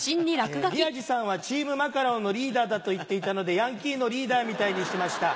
「宮治さんはチームマカロンのリーダーだと言っていたのでヤンキーのリーダーみたいにしました。